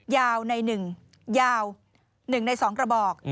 ยาว๑ใน๒กระบอก